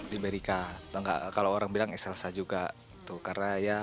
liberika kalau orang bilang excelsa juga